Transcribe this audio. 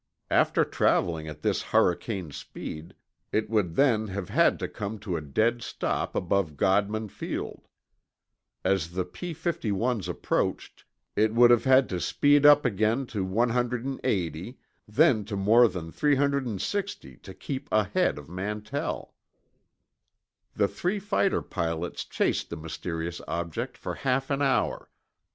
After traveling at this hurricane speed, it would then have had to come to a dead stop above Godman Field. As the P 51's approached, it would have had to speed tip again to 180, then to more than 360 to keep ahead of Mantell. The three fighter pilots chased the mysterious object for half an hour.